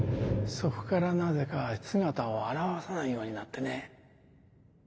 そこからなぜか姿を現さないようになってね。